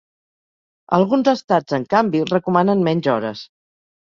Alguns estats, en canvi, recomanen menys hores.